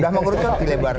udah mengerucot dilebarkan